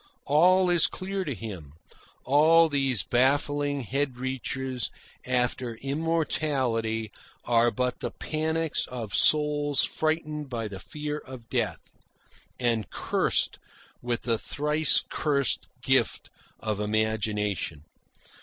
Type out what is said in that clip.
All is clear to him. All these baffling head reaches after immortality are but the panics of souls frightened by the fear of death, and cursed with the thrice cursed gift of imagination.